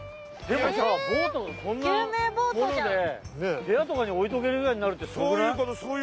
もさボートがこんなもので屋とかに置いとけるぐらいになるってすごくない？